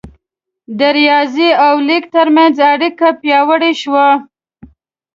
د ریاضي او لیک ترمنځ اړیکه پیاوړې شوه.